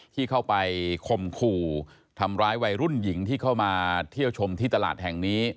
ที่เข้าไปคมขู่ทำร้ายวัยรุ่นหญิงที่เข้ามาเที่ยวชมที่ตลาดแห่งนี้